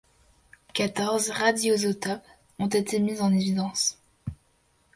Quatorze radioisotopes ont été mis en évidence.